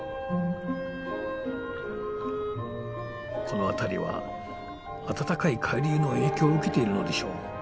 この辺りは暖かい海流の影響を受けているのでしょう。